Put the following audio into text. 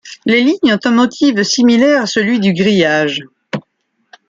Les lignes ont un motif similaire à celui du grillage.